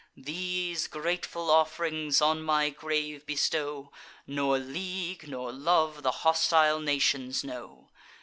These grateful off'rings on my grave bestow; Nor league, nor love, the hostile nations know!